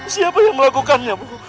siapa yang melakukannya ibu